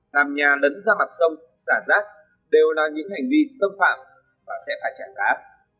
làm nhà lấn ra mặt sông xả rác đều là những hành vi xâm phạm và sẽ phải trả giá